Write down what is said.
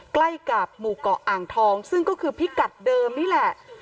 ใกล้กับหมู่เกาะอ่างทองซึ่งก็คือพิกัดเดิมนี่แหละ